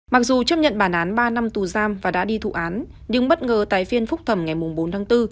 mặc dù chấp nhận bản án ba năm tù giam và đã đi thủ án nhưng bất ngờ tại phiên phúc thẩm ngày bốn tháng bốn